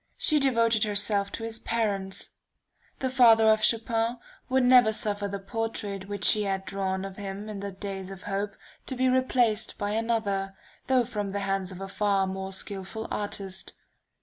She devoted herself to his parents. The father of Chopin would never suffer the portrait which she had drawn of him in the days of hope, to be replaced by another, though from the hands of a far more skilful artist.